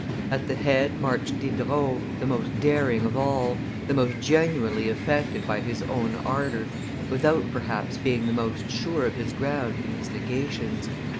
At the head marched Diderot, the most daring of all, the most genuinely affected by his own ardor, without perhaps being the most sure of his ground in his negations.